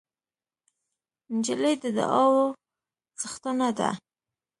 نجلۍ د دعاوو څښتنه ده.